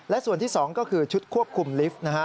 และส่วนที่๒ก็คือชุดควบคุมลิฟต์นะฮะ